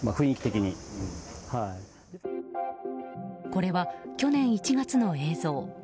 これは去年１月の映像。